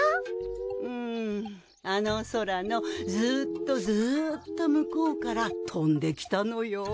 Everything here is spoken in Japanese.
んあの空のずっとずっと向こうから飛んできたのよ。